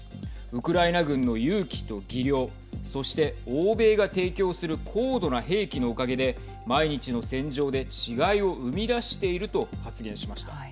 ウクライナ軍の勇気と技量そして欧米が提供する高度な兵器のおかげで毎日の戦場で違いを生み出していると発言しました。